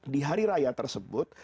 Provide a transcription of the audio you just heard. di hari raya tersebut